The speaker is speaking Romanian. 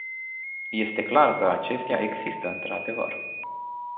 Este clar că acestea există într-adevăr.